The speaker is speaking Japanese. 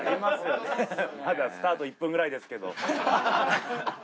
まだスタート１分くらいですけど。